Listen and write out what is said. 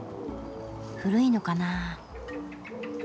古いのかなぁ？